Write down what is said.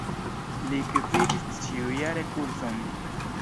Li gvidis ĉiujare kurson.